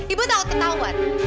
ibu takut ketauan